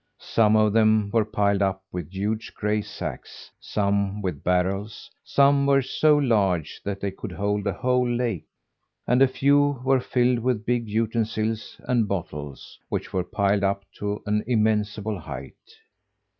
Some of them were piled up with huge, gray sacks, some with barrels; some were so large that they could hold a whole lake; and a few were filled with big utensils and bottles which were piled up to an immense height.